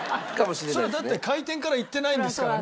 そりゃだって開店から行ってないんですからね。